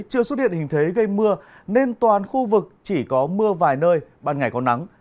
chưa xuất hiện hình thế gây mưa nên toàn khu vực chỉ có mưa vài nơi ban ngày có nắng